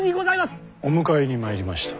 お迎えに参りました。